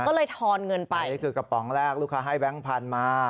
อันนี้คือกระป๋องแรกลูกค้าให้แบงค์พันธุ์มา